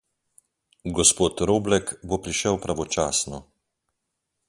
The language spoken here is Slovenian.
Gospod Roblek bo prišel pravočasno.